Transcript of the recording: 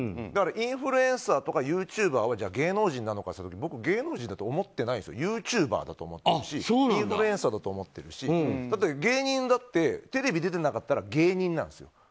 だから、インフルエンサーとかユーチューバーは芸能人なのかといったら僕は芸能人だと思ってなくてユーチューバーだと思ってるしインフルエンサーだと思ってるし芸人だってテレビに出てなかったら芸人なんですよ。